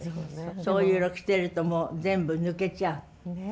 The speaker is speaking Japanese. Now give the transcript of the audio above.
そういう色着てるともう全部抜けちゃう。